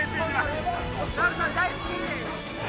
ダルさん、大好き！